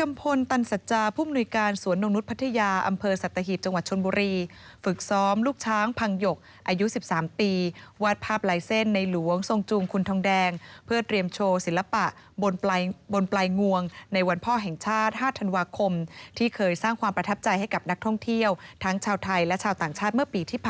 กัมพลตันสัจจาผู้มนุยการสวนนกนุษย์พัทยาอำเภอสัตหีบจังหวัดชนบุรีฝึกซ้อมลูกช้างพังหยกอายุ๑๓ปีวาดภาพลายเส้นในหลวงทรงจูงคุณทองแดงเพื่อเตรียมโชว์ศิลปะบนปลายงวงในวันพ่อแห่งชาติ๕ธันวาคมที่เคยสร้างความประทับใจให้กับนักท่องเที่ยวทั้งชาวไทยและชาวต่างชาติเมื่อปีที่๘